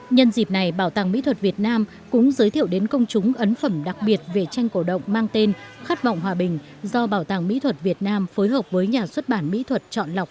nhân dịp này bảo tàng mỹ thuật việt nam cũng giới thiệu đến công chúng ấn phẩm đặc biệt về tranh cổ động mang tên khát vọng hòa bình do bảo tàng mỹ thuật việt nam phối hợp với nhà xuất bản mỹ thuật chọn lọc